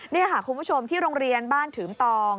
นี่ค่ะคุณผู้ชมที่โรงเรียนบ้านถืมตอง